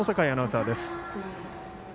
下境アナウンサーです。